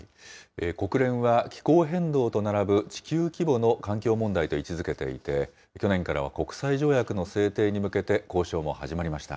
国連は気候変動と並ぶ地球規模の環境問題と位置づけていて、去年からは国際条約の制定に向けて交渉も始まりました。